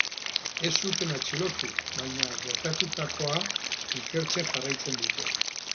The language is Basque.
Ez zuten atxilotu, baina gertatutakoa ikertzen jarraitzen dute.